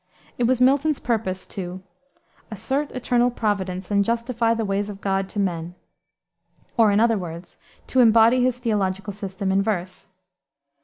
It was Milton's purpose to "assert eternal Providence And justify the ways of God to men," or, in other words, to embody his theological system in verse.